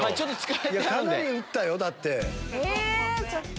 かなり打ったよだって。